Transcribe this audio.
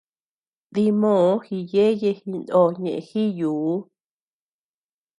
Dimoo gíyeye jinoo ñeʼe jíyuu.